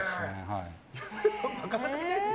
なかなかいないですよ。